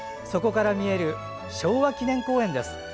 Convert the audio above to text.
そこから見える昭和記念公園です。